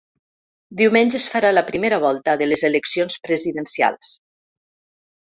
Diumenge es farà la primera volta de les eleccions presidencials.